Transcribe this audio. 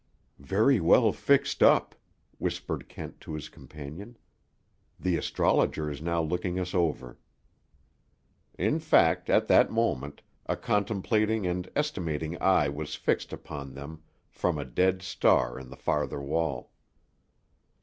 "Very well fixed up," whispered Kent to his companion. "The astrologer is now looking us over." In fact, at that moment, a contemplating and estimating eye was fixed upon them from a "dead" star in the farther wall.